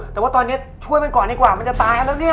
แต่ว่าตอนนี้ช่วยมันก่อนดีกว่ามันจะตายกันแล้วเนี่ย